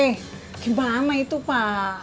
eh gimana itu pak